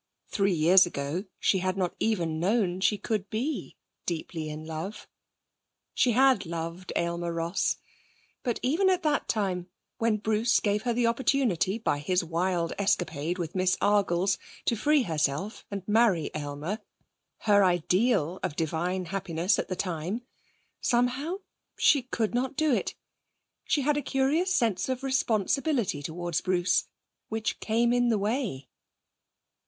Three years ago she had not even known she could be deeply in love. She had loved Aylmer Ross. But even at that time, when Bruce gave her the opportunity, by his wild escapade with Miss Argles, to free herself and marry Aylmer her ideal of divine happiness at the time somehow she could not do it. She had a curious sense of responsibility towards Bruce, which came in the way.